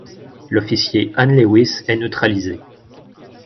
L'officier Anne Lewis est neutralisée.